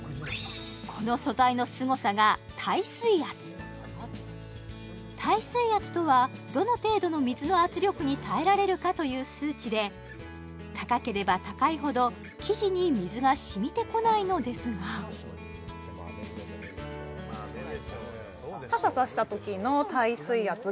この素材のすごさが耐水圧耐水圧とはどの程度の水の圧力に耐えられるかという数値で高ければ高いほど生地に水が染みてこないのですがえっ５００？